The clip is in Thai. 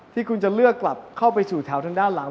ที่คุณจะเลือกกลับเข้าไปสู่แถวทางด้านหลัง